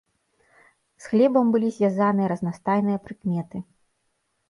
З хлебам былі звязаныя разнастайныя прыкметы.